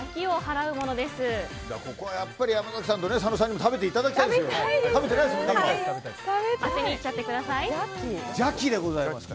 ここはやっぱり山崎さんと佐野さんにも食べてもらいたいです。